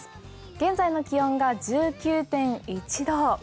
現在の気温が１９．１度。